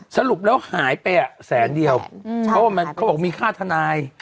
สรุปแล้วหายไปอะแสนเดียวเขาบอกมีค่าธนาย